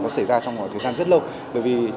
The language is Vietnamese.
nó xảy ra trong khoảng thời gian rất lâu bởi vì